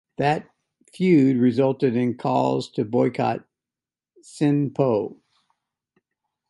That feud resulted in calls to boycott "Sin Po".